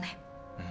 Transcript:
うん。